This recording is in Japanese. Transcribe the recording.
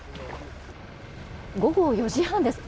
午後４時半です。